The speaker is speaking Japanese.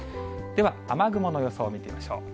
では、雨雲の予想を見てみましょう。